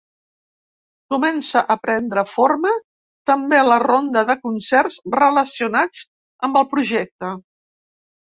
Comença a prendre forma també la ronda de concerts relacionats amb el projecte.